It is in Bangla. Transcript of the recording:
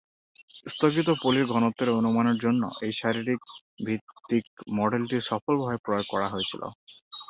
স্থগিত পলির ঘনত্বের অনুমানের জন্য এই শারীরিক ভিত্তিক মডেলটি সফলভাবে প্রয়োগ করা হয়েছিল।